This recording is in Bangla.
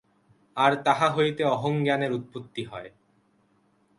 আর তাহা হইতে অহংজ্ঞানের উৎপত্তি হয়।